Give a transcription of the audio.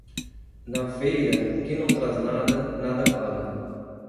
Na feira, quem não traz nada, nada para.